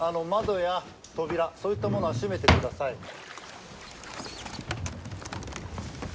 窓や扉そういったものは閉めてください」。